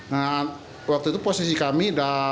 nah waktu itu posisi kami